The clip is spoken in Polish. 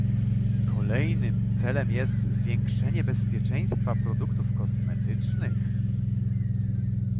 Kolejnym celem jest zwiększenie bezpieczeństwa produktów kosmetycznych